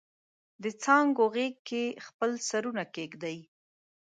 دڅانګو غیږ کې خپل سرونه کښیږدي